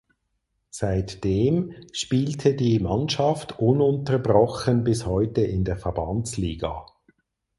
Seit dem spielte die Mannschaft ununterbrochen bis heute in der Verbandsliga.